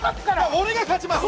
僕が勝ちます！